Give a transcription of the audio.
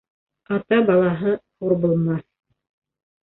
Ата балаһы хур булмаҫ.